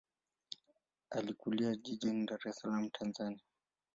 Alikulia jijini Dar es Salaam, Tanzania.